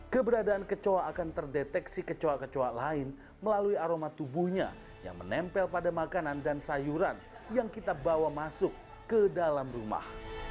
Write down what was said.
keberadaan kecoa akan terdeteksi kecoa kecoa lain melalui aroma tubuhnya yang menempel pada makanan dan sayuran yang kita bawa masuk ke dalam rumah